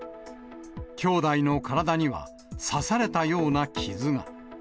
きょうだいの体には、刺されたような傷が。